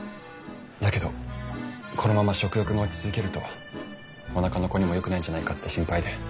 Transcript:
だけどこのまま食欲が落ち続けるとおなかの子にもよくないんじゃないかって心配で。